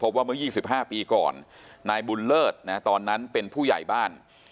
พบว่าเมื่อยี่สิบห้าปีก่อนนายบุญเลิศนะฮะตอนนั้นเป็นผู้ใหญ่บ้าน